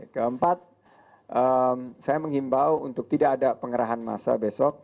keempat saya menghimbau untuk tidak ada pengerahan masa besok